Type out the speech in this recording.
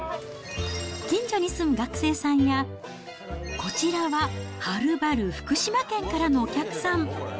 近所に住む学生さんや、こちらははるばる福島県からのお客さん。